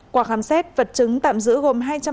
quả khám xét vật chứng tạm giữ gồm